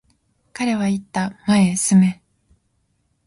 彼は言った、前へ進め。